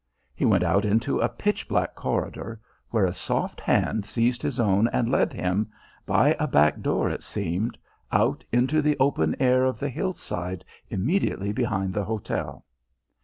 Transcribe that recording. He went out into a pitch black corridor, where a soft hand seized his own and led him by a back door, it seemed out into the open air of the hill side immediately behind the hotel.